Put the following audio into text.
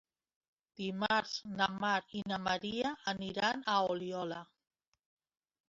Dimarts na Mar i na Maria aniran a Oliola.